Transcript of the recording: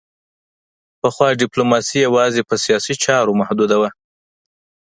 پخوا ډیپلوماسي یوازې په سیاسي چارو محدوده وه